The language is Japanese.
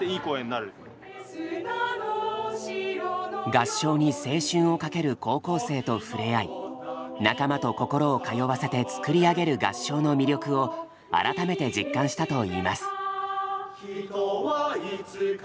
合唱に青春を懸ける高校生と触れ合い仲間と心を通わせて作り上げる合唱の魅力を改めて実感したといいます。